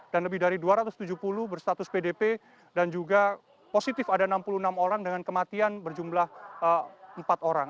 dan lebih dari dua ratus tujuh puluh berstatus pdp dan juga positif ada enam puluh enam orang dengan kematian berjumlah empat orang